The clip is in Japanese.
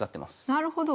なるほど。